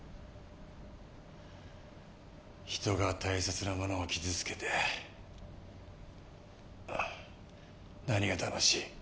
人が大切なものを傷つけて何が楽しい？